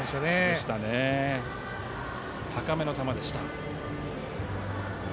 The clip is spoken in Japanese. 高めの球でした。